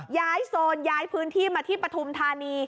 ย้ายโซนย้ายพื้นที่มาที่ประทุมธานี